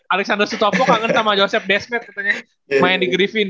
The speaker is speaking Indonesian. alexander sutopo kangen sama joseph despet katanya main di grifin